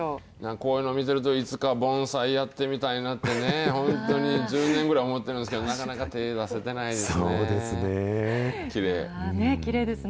こういうの見てると、いつか盆栽やってみたいなってね、本当に、１０年ぐらい思ってるんですけど、なかなか手出せてないですそうですね。